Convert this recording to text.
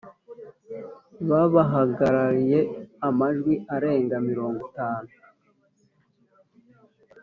Babahagarariye amajwi arenga mirongo itanu